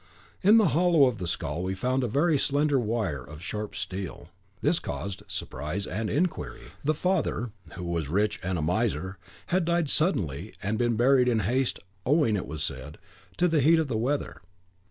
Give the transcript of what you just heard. In the hollow of the skull we found a very slender wire of sharp steel; this caused surprise and inquiry. The father, who was rich and a miser, had died suddenly, and been buried in haste, owing, it was said, to the heat of the weather.